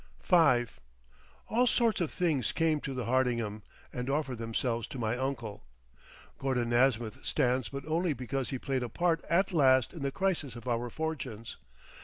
V All sorts of things came to the Hardingham and offered themselves to my uncle. Gordon Nasmyth stands but only because he played a part at last in the crisis of our fortunes.